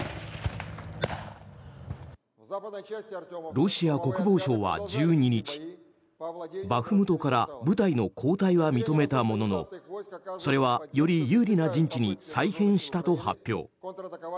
ロシア国防省は１２日バフムトから部隊の後退は認めたもののそれは、より有利な陣地に再編したと発表。